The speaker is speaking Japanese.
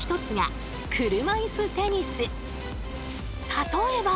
例えば。